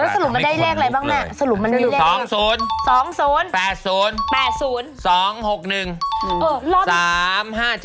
แล้วสรุปมันได้เลขอะไรบ้างแม่สรุปมันมีเลขอะไรบ้างแม่๒๐